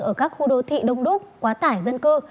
ở các khu đô thị đông đúc quá tải dân cư